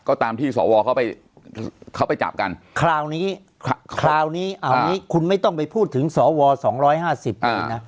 ก็ตามที่สวเขาไปจับกันคราวนี้คุณไม่ต้องไปพูดถึงสว๒๕๐อีกนะ